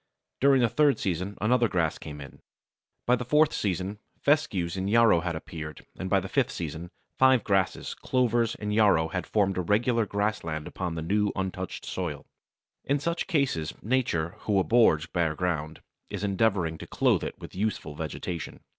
During the third season another grass came in. By the fourth season, Fescues and yarrow had appeared, and by the fifth season, five grasses, clovers, and yarrow had formed a regular grassland upon the new untouched soil. Coaz, Mittheilungen d. Naturf, Berne, 1886. In such cases, Nature, who abhors bare ground, is endeavouring to clothe it with useful vegetation.